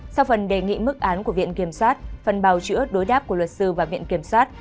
sau phần đề nghị mức án của viện kiểm sát phần bào chữa đối đáp của luật sư và viện kiểm sát